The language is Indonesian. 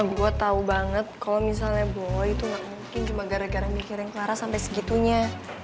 gue tau banget kalo misalnya boy tuh gak mungkin cuma gara gara mikirin clara sampe segitunya